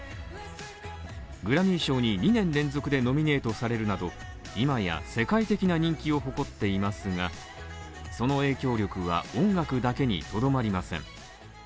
グラミー賞に２年連続でノミネートされるなど、今や世界的な人気を誇っていますが、その影響力は音楽だけにとどまりません。